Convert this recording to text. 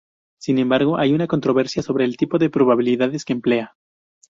Sin embargo, hay una controversia sobre el tipo de probabilidades que emplea.